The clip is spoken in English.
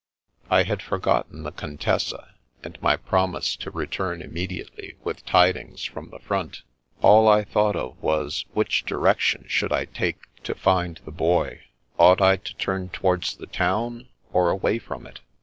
I had forgotten the Contessa, and my promise to return immediately with tidings from the front. All I thought of was, which direction should I take to find the Boy. Ought I to turn towards the town or away from it